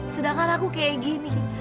sedangkan aku kayak gini